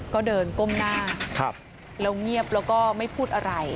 ก็เดินก้มหน้าแล้วเงียบแล้วก็ไม่พูดอะไร